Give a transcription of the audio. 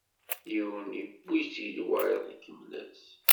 Yiwen iwwi-tt-id, wayeḍ ikemmel-as.